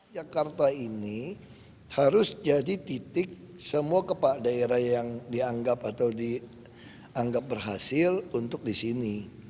jakarta ini harus jadi titik semua kepala daerah yang dianggap atau dianggap berhasil untuk di sini